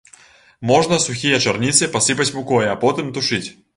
Можна сухія чарніцы пасыпаць мукой, а потым тушыць.